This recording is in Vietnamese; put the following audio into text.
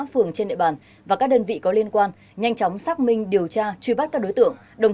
phường trên địa bàn và các đơn vị có liên quan nhanh chóng xác minh điều tra truy bắt các đối tượng